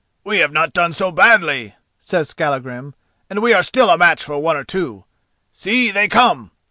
"We have not done so badly!" says Skallagrim, "and we are still a match for one or two. See, they come!